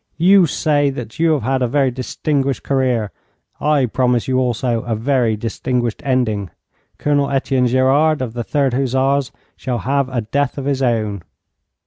'You say that you have had a very distinguished career. I promise you also a very distinguished ending. Colonel Etienne Gerard of the Third Hussars shall have a death of his own.'